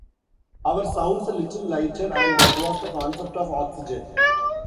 Our sound's a little lighter and that was the concept of "Oxygen".